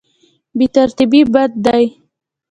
بې ترتیبي بد دی.